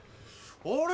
あれ？